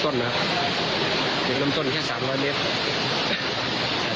นี่ก็เดินเริ่มต้นแล้ว